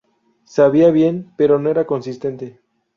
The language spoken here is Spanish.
Sabía bien, pero no era consistente.